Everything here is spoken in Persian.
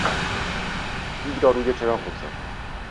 دیگ را روی چراغ بگذار.